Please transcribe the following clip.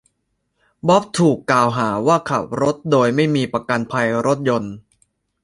บ๊อบถูกกล่าวหาว่าขับรถโดยไม่มีประกันภัยรถยนต์